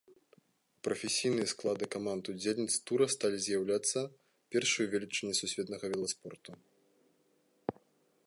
У прафесійныя склады каманд-удзельніц тура сталі заяўляцца першыя велічыні сусветнага веласпорту.